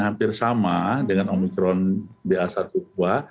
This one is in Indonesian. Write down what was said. hampir sama dengan omikron ba satu dua